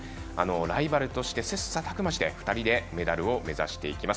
ライバルとして切さたく磨して２人でメダルを目指していきます。